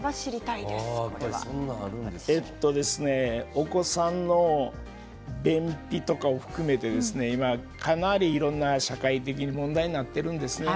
お子さんの便秘とかを含めて、今かなりいろんな社会的問題になっているんですね。